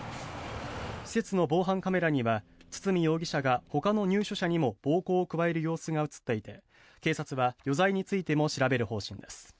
施設の防犯カメラには堤容疑者がほかの入所者にも暴行を加える様子が映っていて警察は余罪についても調べる方針です。